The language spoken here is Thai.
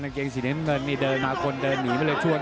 เกงสีน้ำเงินนี่เดินมาคนเดินหนีไปเลยช่วง